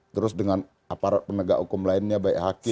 terus dengan aparat penegak hukum lainnya baik hakim